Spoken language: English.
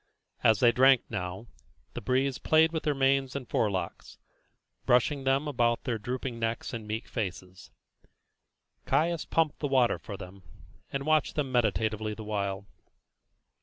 As they drank now, the breeze played with their manes and forelocks, brushing them about their drooping necks and meek faces. Caius pumped the water for them, and watched them meditatively the while.